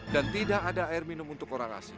dan tidak ada air minum untuk orang asing